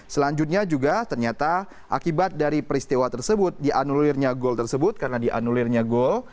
selanjutnya juga ternyata akibat dari peristiwa tersebut dianulirnya gol tersebut karena dianulirnya gol